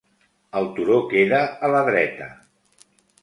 El turó queda a la dreta.